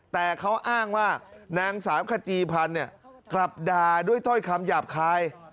แต่เขาอ้างว่านางสาวขจีพันธ์กลับด่าด้วยถ้อยคำหยาบคาย